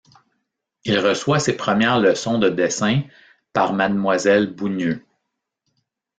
Il reçoit ses premières leçons de dessins par Mademoiselle Bounieu.